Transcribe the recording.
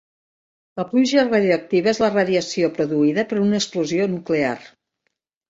La pluja radioactiva és la radiació produïda per una explosió nuclear.